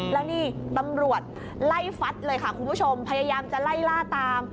แล้วนี่ตำรวจไล่ฟัดเลยค่ะคุณผู้ชมพยายามจะไล่ล่าตาม